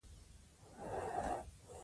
د ډالرو پر ځای افغانۍ چلښت ورکړئ.